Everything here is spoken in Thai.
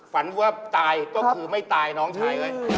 ฝันว่าตายก็คือไม่ตายน้องชายเอ้ย